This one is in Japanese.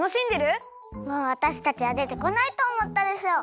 もうわたしたちはでてこないとおもったでしょ！？